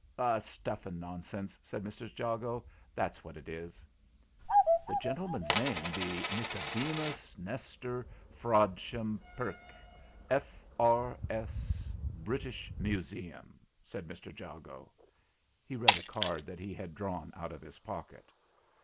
"It's stuff and nonsense," said Mrs. Jago, "that's what it is." "The gentleman's name be Nicodemus Nes tor Frodsham Perke, F.R.S., British Museum," said Mr. Jago. He read a card that he had drawn out of his pocket.